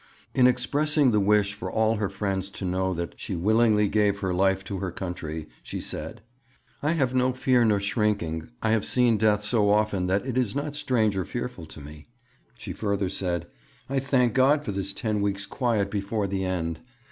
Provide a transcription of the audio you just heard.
In expressing the wish for all her friends to know that she willingly gave her life to her country, she said, 'I have no fear nor shrinking; I have seen death so often that it is not strange or fearful to me.' She further said, 'I thank God for this ten weeks' quiet before the end.